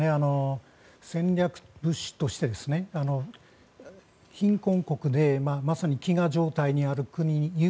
戦略物資として、貧困国でまさに飢餓状態にある国友